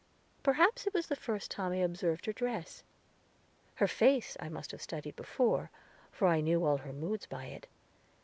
Perhaps it was the first time I observed her dress; her face I must have studied before, for I knew all her moods by it.